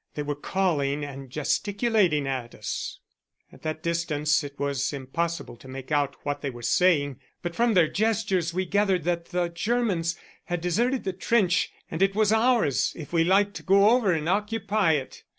They were calling and gesticulating to us. At that distance it was impossible to make out what they were saying, but from their gestures we gathered that the Germans had deserted the trench and it was ours if we liked to go over and occupy it.